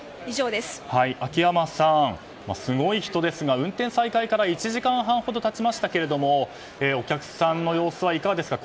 秋山さん、すごい人ですが運転再開から１時間半ほど経ちましたけれどもお客さんの様子はいかがですか？